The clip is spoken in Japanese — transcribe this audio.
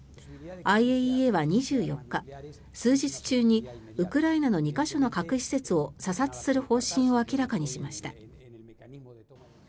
ＩＡＥＡは２４日数日中にウクライナの２か所の核施設を査察する方針を明らかにしました。